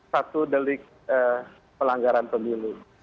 satu delik pelanggaran pemilu